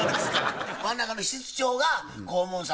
真ん中の室長が黄門様。